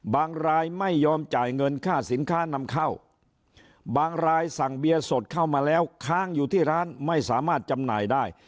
รายไม่ยอมจ่ายเงินค่าสินค้านำเข้าบางรายสั่งเบียร์สดเข้ามาแล้วค้างอยู่ที่ร้านไม่สามารถจำหน่ายได้